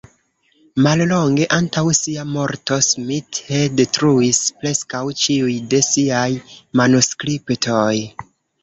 Mallonge antaŭ sia morto Smith detruis preskaŭ ĉiuj de siaj manuskriptoj.